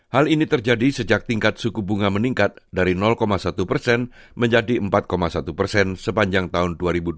hal ini terjadi sejak tingkat suku bunga meningkat dari satu persen menjadi empat satu persen sepanjang tahun dua ribu dua puluh